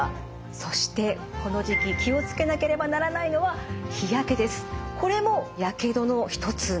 そしてこの時期気を付けなければならないのはこれもやけどの一つなんですよ。